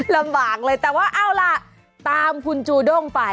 ลำบากเลยแต่ว่าเอาล่ะตามคุณจูด้งไป